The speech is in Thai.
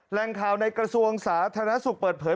แรงข่าวในกระทรวงสาธารณสุขเปิดเผย